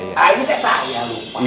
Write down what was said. nah ini saya lupa